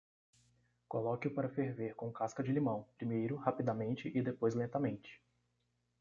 Coloque-o para ferver com casca de limão, primeiro rapidamente e depois lentamente.